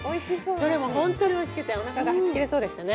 どれも本当においしくて、おなかがはち切れそうでしたね。